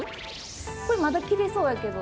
これまだ着れそうやけど。